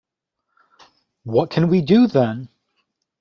What can we do, then?